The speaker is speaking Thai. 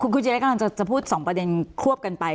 คุณจิรัฐกลางจะพูดสองประเด็นควบกันไป